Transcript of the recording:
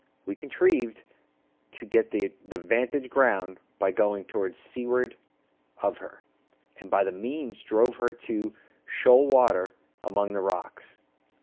We contrived to get the "'vantage ground" by going to seaward of her, and by that means drove her into shoal water among the rocks.